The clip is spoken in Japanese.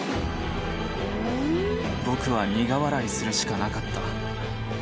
「僕は苦笑いするしかなかった」